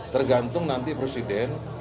tergantung nanti presiden